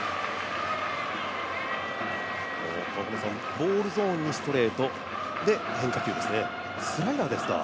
ボールゾーンにストレートで変化球、スライダーですか。